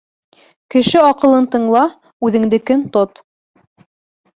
Кеше аҡылын тыңла, үҙеңдекен тот.